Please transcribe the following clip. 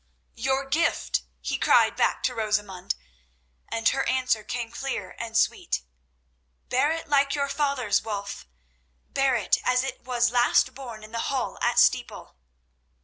"Your gift," he cried back to Rosamund, and her answer came clear and sweet: "Bear it like your fathers, Wulf. Bear it as it was last borne in the hall at Steeple."